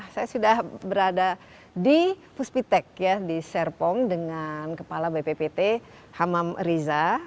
saya sudah berada di puspitek di serpong dengan kepala bppt hamam riza